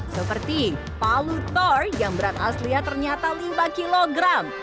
seperti palu thor yang berat aslinya ternyata lima kg